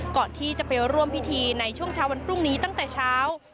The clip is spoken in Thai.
ก่อนที่จะไปร่วมพิธีในช่วงเช้าวันพรุ่งนี้ตั้งแต่เช้า